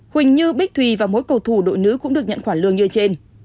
huỳnh như bích thùy và mỗi cầu thủ đội nữ cũng được nhận khoản lương như trên